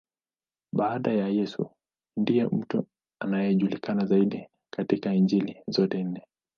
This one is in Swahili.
Baada ya Yesu, ndiye mtu anayejulikana zaidi katika Injili zote nne.